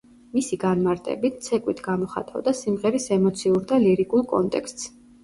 მისი განმარტებით, ცეკვით გამოხატავდა სიმღერის ემოციურ და ლირიკულ კონტექსტს.